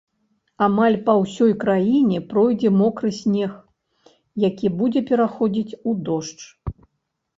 Амаль па ўсёй краіне пройдзе мокры снег, які будзе пераходзіць у дождж.